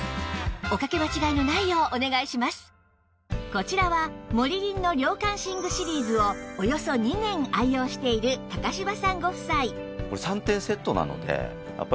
こちらはモリリンの涼感寝具シリーズをおよそ２年愛用している柴さんご夫妻